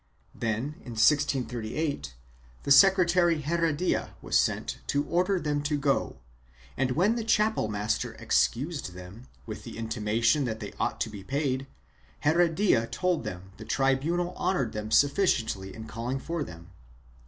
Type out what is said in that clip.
Then, in 1638, the secretary Heredia was sent to order them to go and when the chapel master excused them, with an intimation that they ought to be paid, Heredia told them the tribunal honored them sufficiently in calling for them.